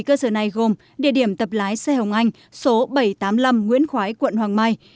bảy cơ sở này gồm địa điểm tập lái xe hồng anh số bảy trăm tám mươi năm nguyễn khói quận hoàng mai